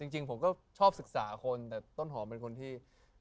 จริงผมก็ชอบศึกษาคนแต่ต้นหอมเป็นคนที่